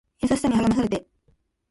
優しさに励まされて